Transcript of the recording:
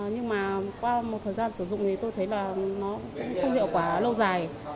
nhưng mà qua một thời gian sử dụng thì tôi thấy là nó cũng không hiệu quả lâu dài